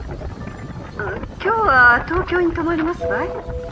☎今日は東京に泊まりますばい。